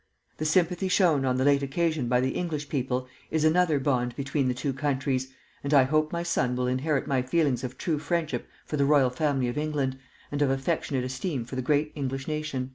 The sympathy shown on the late occasion by the English people is another bond between the two countries, and I hope my son will inherit my feelings of true friendship for the royal family of England, and of affectionate esteem for the great English nation."